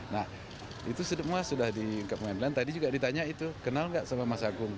nah itu semua sudah di pengadilan tadi juga ditanya itu kenal nggak sama mas agung